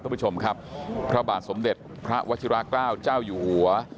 ท่านผู้ชมครับพระบาทสมเด็จพระวชิราเกล้าเจ้าอยู่หัว